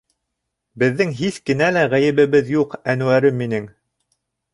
— Беҙҙең һис кенә лә ғәйебебеҙ юҡ, Әнүәрем минең.